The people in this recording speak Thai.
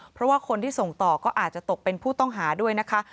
เพราะว่าคนที่ส่งต่อก็อาจจะตกเป็นผู้ต้องหาด้วยนะคะ